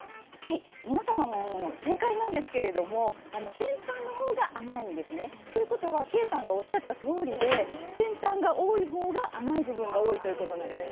皆様も正解なんですけれども先端のほうが甘いんですね。ということはケイさんがおっしゃったとおりで先端が多いほうが甘い部分が多いということです。